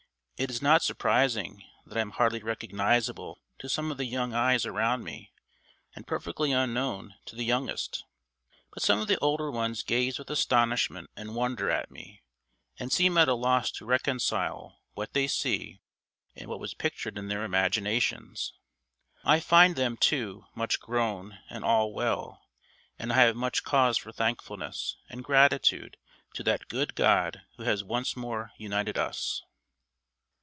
It is not surprising that I am hardly recognisable to some of the young eyes around me and perfectly unknown to the youngest. But some of the older ones gaze with astonishment and wonder at me, and seem at a loss to reconcile what they see and what was pictured in their imaginations. I find them, too, much grown, and all well, and I have much cause for thankfulness, and gratitude to that good God who has once more united us."